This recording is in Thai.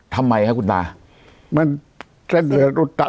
ทำไมครับคุณตามันเส้นเหลืออุดตันนานหรือยังเส้นเหลืออุดตัน